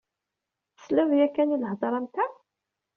Tesliḍ yakan i lhedra am ta?